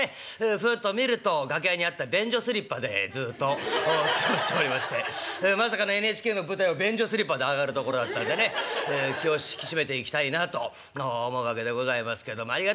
ふと見ると楽屋にあった便所スリッパでずっと過ごしておりましてまさかのＮＨＫの舞台を便所スリッパで上がるとこだったんでね気を引き締めていきたいなと思うわけでございますけどありがたいです。